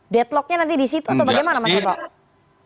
deadlocknya nanti di situ atau bagaimana mas ekor